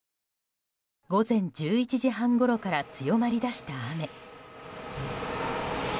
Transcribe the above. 午前１１時半ごろから強まりだした雨。